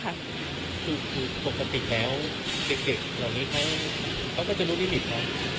คือปกติแล้วเด็กเหล่านี้เขาก็จะรู้ลิมิตเขา